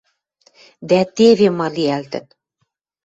Дӓ теве ма лиӓлтӹн.